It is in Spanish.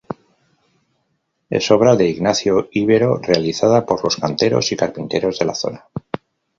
Es obra de Ignacio Ibero realizada por los canteros y carpinteros de la zona.